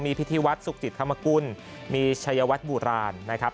พิธีวัฒน์สุขจิตธรรมกุลมีชัยวัดโบราณนะครับ